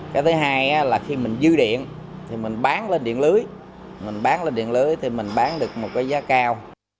cái thứ hai là khi mình dư điện thì mình bán lên điện lưới mình bán lên điện lưới thì mình bán được một cái giá cao